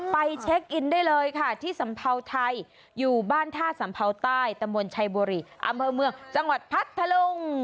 ไปเช็คอินได้เลยค่ะที่สัมเภาไทยอยู่บ้านท่าสัมเภาใต้ตำบลชัยบุรีอำเภอเมืองจังหวัดพัทธลุง